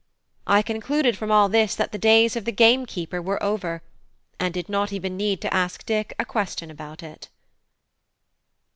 I concluded from all this that the days of the gamekeeper were over, and did not even need to ask Dick a question about it.